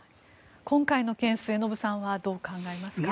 今回のケース末延さんはどう考えますか？